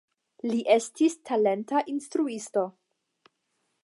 Li estis talenta instruisto.